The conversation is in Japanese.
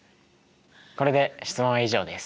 これで質問は以上です。